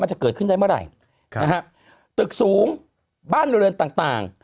จะเกิดขึ้นได้เมื่อไหร่นะฮะตึกสูงบ้านเรือนต่างต่าง